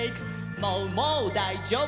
「もうもうだいじょうぶ」